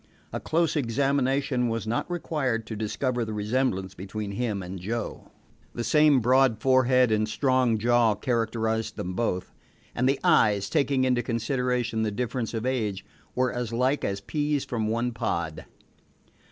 A close examination was not required to discover the resemblance between him and Joe. The same broad forehead and strong jaw characterized them both, and the eyes, taking into consideration the difference of age, were as like as peas from one pod.